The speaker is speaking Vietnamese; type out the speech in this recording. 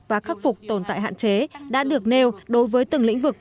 và khắc phục tồn tại hạn chế đã được nêu đối với từng lĩnh vực